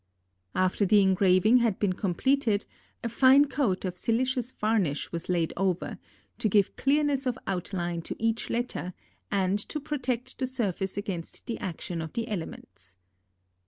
After the engraving had been completed, a fine coat of silicious varnish was laid over, to give clearness of outline to each letter, and to protect the surface against the action of the elements.